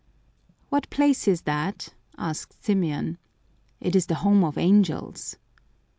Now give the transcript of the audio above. " What place is that ?" asked Symeon. " It IS the home of angels."